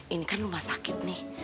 ini kan rumah sakit nih